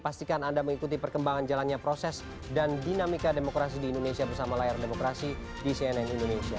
pastikan anda mengikuti perkembangan jalannya proses dan dinamika demokrasi di indonesia bersama layar demokrasi di cnn indonesia